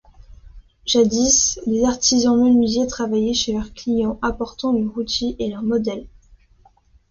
Jadis les artisans menuisiers travaillaient chez leurs clients, apportant leurs outils et leurs modèles.